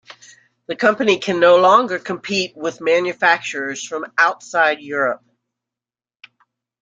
The company can no longer compete with manufacturers from outside Europe.